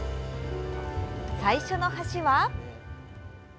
最初の橋は。